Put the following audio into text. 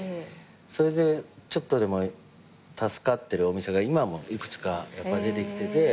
それでちょっとでも助かってるお店が今もいくつか出てきてて。